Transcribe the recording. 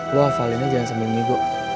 lo hafalin aja jangan sambil minggu